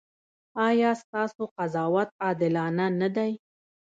ایا ستاسو قضاوت عادلانه نه دی؟